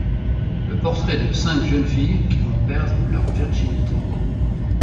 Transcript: Le portrait de cinq jeunes filles qui vont perdre leur virginité.